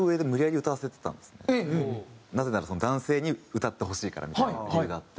なぜなら男性に歌ってほしいからみたいな理由があって。